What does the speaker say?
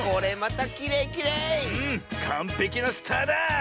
かんぺきなスターだ！